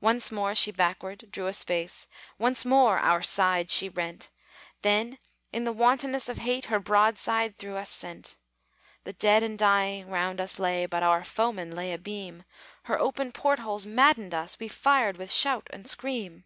Once more she backward drew a space, Once more our side she rent; Then, in the wantonness of hate, Her broadside through us sent. The dead and dying round us lay, But our foeman lay abeam; Her open portholes maddened us; We fired with shout and scream.